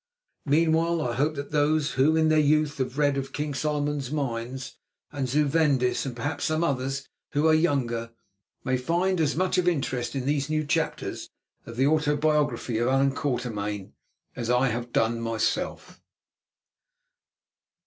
Meanwhile, I hope that those who in their youth have read of King Solomon's Mines and Zuvendis, and perhaps some others who are younger, may find as much of interest in these new chapters of the autobiography of Allan Quatermain as I have done myself.